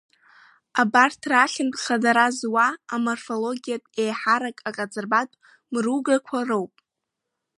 Абарҭ рахьынтә хадара зуа аморфологиатә, еиҳарак аҟаҵарбатә мыругақәа роуп.